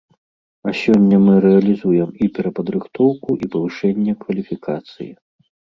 А сёння мы рэалізуем і перападрыхтоўку і павышэнне кваліфікацыі.